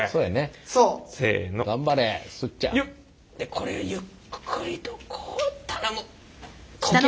これゆっくりとこう頼む！